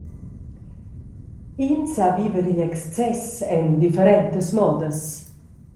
In sa viver igl excess en differentas modas.